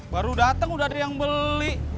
baru datang udah ada yang beli